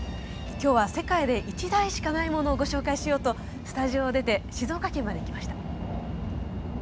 今日は世界で１台しかないものをご紹介しようとスタジオを出て静岡県まで来ました。